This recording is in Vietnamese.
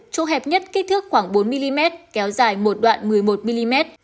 chỗ hẹp nhất kích thước khoảng bốn mm kéo dài một đoạn một mươi một mm